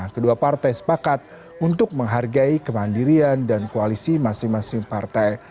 kedua partai sepakat untuk menghargai kemandirian dan koalisi masing masing partai